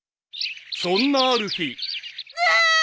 ［そんなある日］